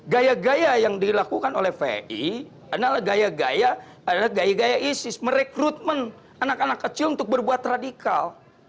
gaya gaya yang dilakukan oleh vei adalah gaya gaya adalah gaya gaya isis merekrutmen anak anak kecil untuk berbuat radikal